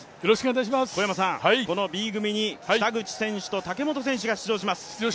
このＢ組に北口選手と武本選手が登場します。